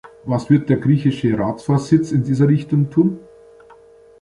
Was wird der griechische Ratsvorsitz in dieser Richtung tun?